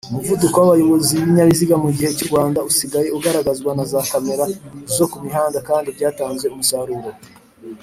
Umuvuduko w’abayobozi b’ibinyabiziga mu gihugu cy’U Rwanda usigaye ugaragazwa na za kamera zo kumihanda kandi byatanze umusaruro.